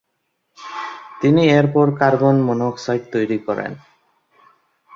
তিনি এর পর কার্বন মনোক্সাইড তৈরি করেন।